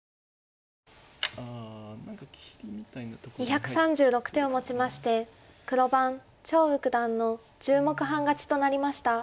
２３６手をもちまして黒番張栩九段の１０目半勝ちとなりました。